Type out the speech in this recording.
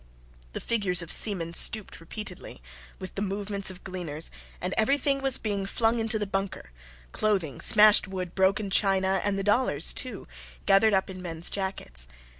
The figures of seamen stooped repeatedly, with the movements of gleaners, and everything was being flung into the bunker: clothing, smashed wood, broken china, and the dollars, too, gathered up in men's jackets.